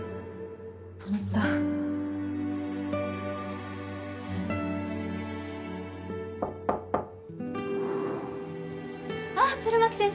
止まったあっ弦巻先生